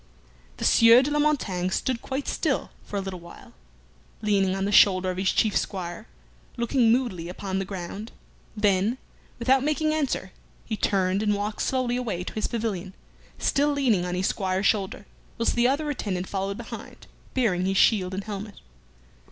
The Sieur de la Montaigne stood quite still for a little while, leaning on the shoulder of his chief squire, looking moodily upon the ground; then, without making answer, he turned, and walked slowly away to his pavilion, still leaning on his squire's shoulder, whilst the other attendant followed behind, bearing his shield and helmet.